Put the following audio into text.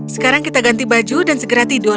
sekarang kita ganti baju dan segera tidur